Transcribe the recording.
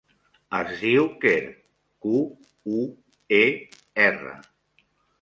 Es diu Quer: cu, u, e, erra.